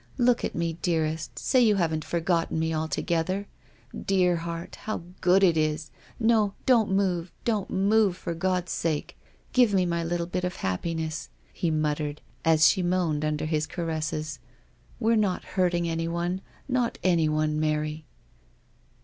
Look at me, dearest, say you haven't forgotten me ' altogether ? Dear heart, how good it is ! No, don't move, don't move, for God's sake ! Give me my little bit of happi ness," he muttered, as she moaned under his caresses, " we're not hurting anyone, not any one, Mary."